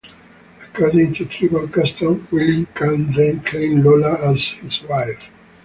According to tribal custom Willie can then claim Lola as his wife.